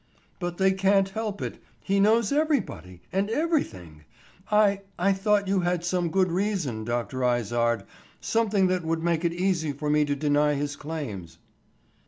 "But they can't help it. He knows everybody, and everything. I—I thought you had some good reason, Dr. Izard, something that would make it easy for me to deny his claims."